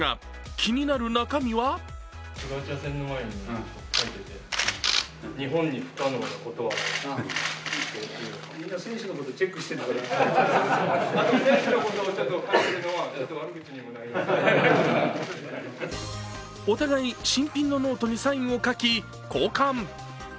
気になる中身はお互い、新品のノートにサインを書き交換。